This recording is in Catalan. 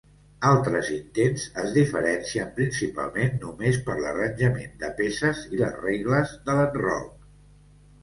Altres intents es diferencien principalment només per l'arranjament de peces i les regles de l'enroc.